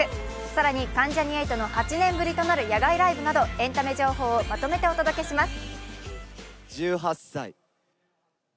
更に関ジャニ∞の８年ぶりとなる野外ライブなどエンタメ情報をまとめてお届けします。